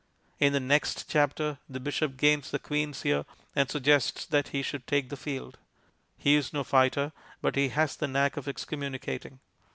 In the next chapter the bishop gains the queen's ear and suggests that he should take the field. He is no fighter, but he has the knack of excommunicating.